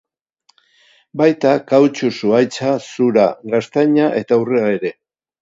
Baita kautxu zuhaitza, zura, gaztaina eta urrea ere.